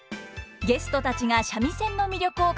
ゲストたちが三味線の魅力を語ります！